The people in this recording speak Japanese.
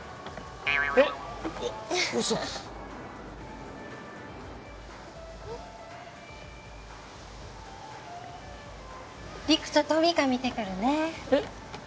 えっウソ陸とトミカ見てくるねえっ？